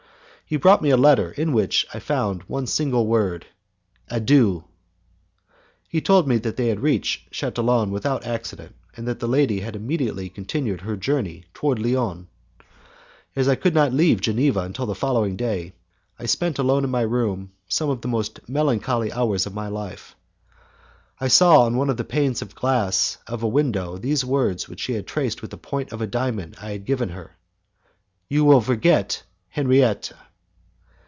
He brought me a letter in which I found one single word: Adieu! He told me that they had reached Chatillon without accident, and that the lady had immediately continued her journey towards Lyons. As I could not leave Geneva until the following day, I spent alone in my room some of the most melancholy hours of my life. I saw on one of the panes of glass of a window these words which she had traced with the point of a diamond I had given her: "You will forget Henriette."